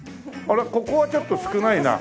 あれここはちょっと少ないな。